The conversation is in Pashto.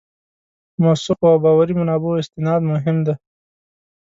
موثقو او باوري منابعو استناد مهم دی.